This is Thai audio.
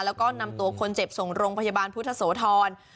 แล้วก็นำตัวคนเจ็บส่งโรงพยาบาลพุทธโสธร